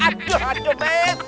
aduh aduh met